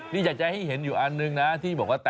นี่จัดจะให้เห็นอยู่ว่าอย่างนึงนะที่บอกว่าง